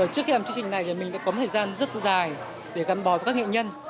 trước khi làm chương trình này thì mình đã có một thời gian rất dài để gắn bò với các nghệ nhân